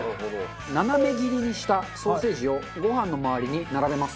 斜め切りにしたソーセージをご飯の周りに並べます。